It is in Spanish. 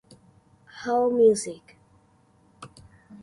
All Music.